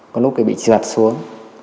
có lúc thì bị trượt xuống